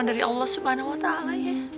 dari allah swt ya